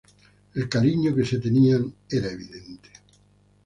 El cariño que se tenían era evidente.